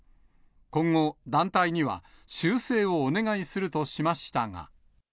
今後、団体には修正をお願いするとしましたが。